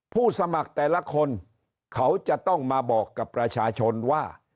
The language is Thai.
ผู้สมัครแต่ละคนเขาจะต้องมาบอกกับประชาชนว่า